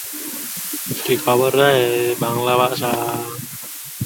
এখানে বহু ফরাসি বসতি স্থাপন করেন।